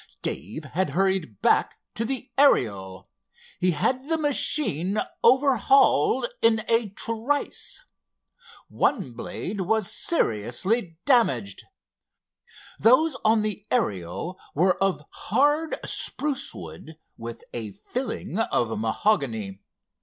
Dave had hurried back to the Ariel. He had the machine overhauled in a trice. One blade was seriously damaged. Those on the Ariel were of hard spruce wood, with a filling of mahogany.